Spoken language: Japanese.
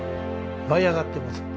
舞い上がってます。